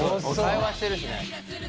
会話してるしね。